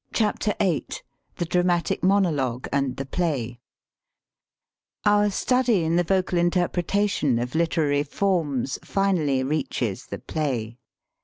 VIII THE DRAMATIC MONOLOGUE AND THE PLAY OUR study in the vocal interpretation of literary forms finally reaches the play.